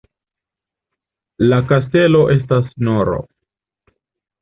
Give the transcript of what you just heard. La kastelo estas nr.